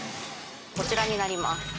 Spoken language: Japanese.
こちらになります。